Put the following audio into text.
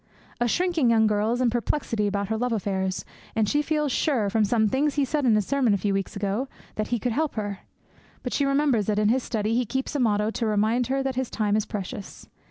A shrinking young girl is in perplexity about her love affairs, and she feels sure, from some things he said in his sermon a few weeks ago, that he could help her. But she remembers that in his study he keeps a motto to remind her that his time is precious.